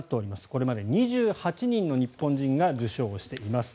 これまで２８人の日本人が受賞しております。